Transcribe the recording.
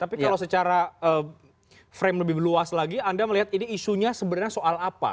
tapi kalau secara frame lebih luas lagi anda melihat ini isunya sebenarnya soal apa